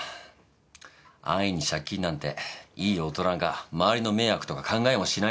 安易に借金なんていい大人が周りの迷惑とか考えもしないで。